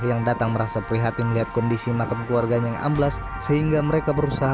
yang datang merasa prihatin melihat kondisi makan keluarganya ambles sehingga mereka berusaha